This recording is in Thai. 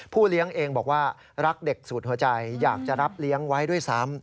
เลี้ยงเองบอกว่ารักเด็กสุดหัวใจอยากจะรับเลี้ยงไว้ด้วยซ้ำ